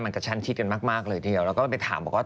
มันกระชันทิศกันมากเลยเดี๋ยวเราก็ไปถามว่า